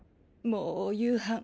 もうお夕飯